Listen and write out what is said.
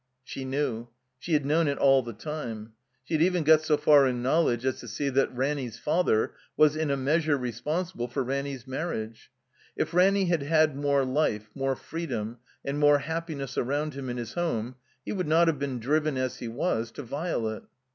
She knew. She had known it all the time. She had even got so far in knowledge as to see that Ranny's father was in a measure responsible for Ranny's marriage. If Ranny had had more life, more freedom, and more happiness aroimd him in his home, he would not have been driven, as he was, to Violet.